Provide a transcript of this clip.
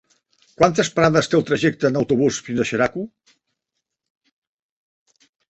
Quantes parades té el trajecte en autobús fins a Xeraco?